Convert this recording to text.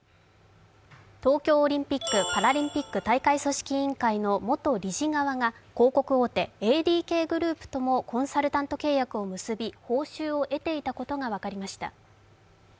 東京オリンピック・パラリンピック大会組織委員会の元理事側が広告大手ＡＤＫグループともコンサルタント契約を結び、報酬を得ていたことが分かりました。